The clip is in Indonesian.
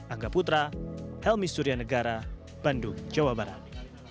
angga putra helmi suryanegara bandung jawa barat